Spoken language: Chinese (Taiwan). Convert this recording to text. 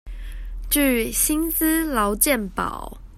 具薪資勞健保